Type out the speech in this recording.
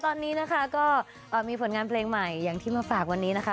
ตอนนี้นะคะก็มีผลงานเพลงใหม่อย่างที่มาฝากวันนี้นะคะ